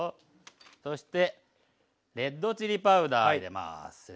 そしてレッドチリパウダー入れます。